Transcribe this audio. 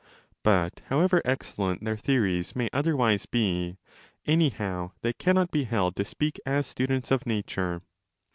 But however excellent their theories may otherwise be, anyhow they cannot be held to speak as students of nature.